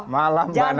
malam mbak nana